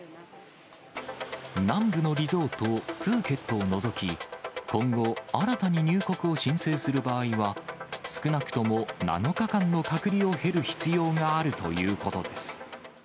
南部のリゾート、プーケットを除き、今後、新たに入国を申請する場合は、少なくとも７日間の隔離を経る必要があるということです。